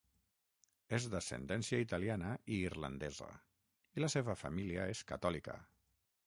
És d'ascendència italiana i irlandesa, i la seva família és catòlica.